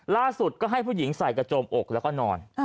ล่าสุดก็ให้ผู้หญิงใส่กระโจมอกแล้วก็นอน